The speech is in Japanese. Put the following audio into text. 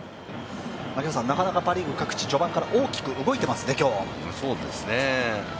なかなかパ・リーグ各地、序盤から大きく動いていますね。